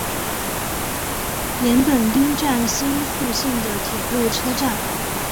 岩本町站新宿线的铁路车站。